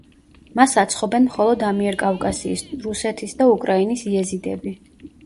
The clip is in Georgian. მას აცხობენ მხოლოდ ამიერკავკასიის, რუსეთის და უკრაინის იეზიდები.